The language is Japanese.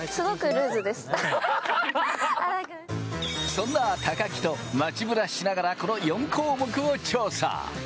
そんな高木と街ブラしながら、この４項目を調査。